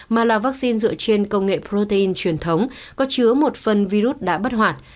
mà là vaccine dựa trên công nghệ protein truyền thống có chứa một phần virus đã bắt hoạt